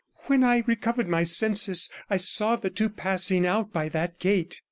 When I recovered my senses I saw the two passing out by that gate.